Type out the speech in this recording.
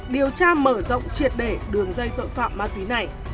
điều tra mở rộng triệt để đường dây tội phạm ma túy này